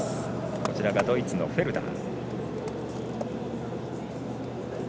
こちらがドイツのフェルダー。